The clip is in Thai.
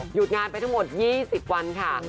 หยุดงานไปทั้งหมด๒๐วันค่ะ